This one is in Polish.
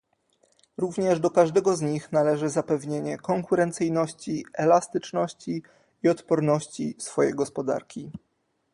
Również do każdego z nich należy zapewnienie konkurencyjności, elastyczności i odporności swojej gospodarki